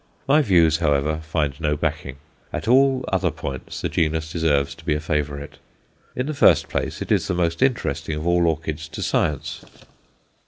My views, however, find no backing. At all other points the genus deserves to be a favourite. In the first place, it is the most interesting of all orchids to science.